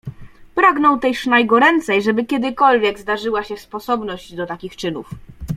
Pragnął też najgoręcej, żeby kiedykolwiek zdarzyła się sposobność do takich czynów.